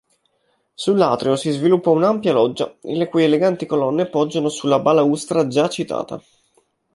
Sull'atrio si sviluppa un'ampia loggia, le cui eleganti colonne poggiano sulla balaustra già citata.